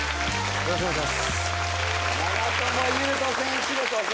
よろしくお願いします。